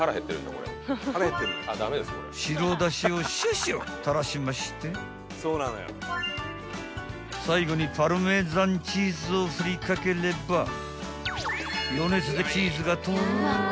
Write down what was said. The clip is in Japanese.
［白だしを少々垂らしまして最後にパルメザンチーズを振りかければ余熱でチーズがとろり］